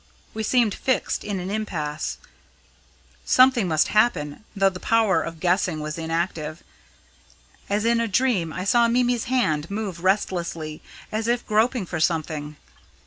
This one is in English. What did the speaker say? We seemed fixed in an impasse. Something must happen, though the power of guessing was inactive. As in a dream, I saw Mimi's hand move restlessly, as if groping for something.